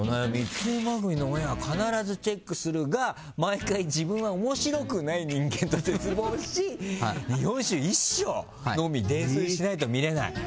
出演場組のオンエアは必ずチェックするが毎回、自分は面白くない人間と絶望し日本酒一升飲み泥酔しないと見れない。